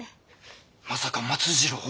まさか松次郎を。